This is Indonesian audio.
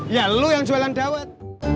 ya lu yang jualan dawet